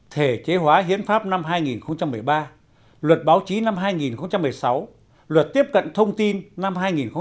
thể chế hóa hiến pháp năm hai nghìn một mươi ba luật báo chí năm hai nghìn một mươi sáu luật tiếp cận thông tin năm hai nghìn một mươi bảy